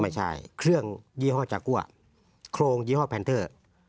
ไม่ใช่เครื่องยี่ห้อจากั่วโครงยี่ห้อแพนเตอร์